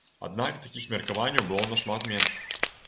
Аднак такіх меркаванняў было нашмат менш.